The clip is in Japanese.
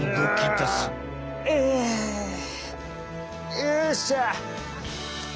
よっしゃ！